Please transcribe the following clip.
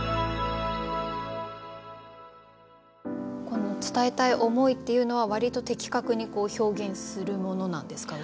この伝えたい思いっていうのは割と的確に表現するものなんですか？